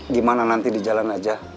gimana nanti di jalan aja